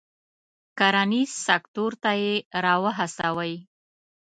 کرنیز سکتور ته یې را و هڅوي.